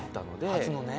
初のね。